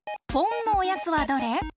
ポンのおやつはどれ？